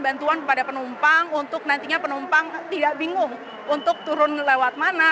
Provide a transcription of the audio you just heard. bantuan kepada penumpang untuk nantinya penumpang tidak bingung untuk turun lewat mana